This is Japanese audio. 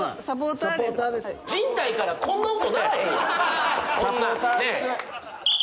人体からこんな音鳴らへんよ。